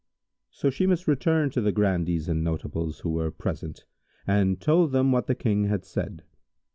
So Shimas returned to the Grandees and Notables who were present and told them what the King had said.